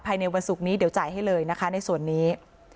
ในวันศุกร์นี้เดี๋ยวจ่ายให้เลยนะคะในส่วนนี้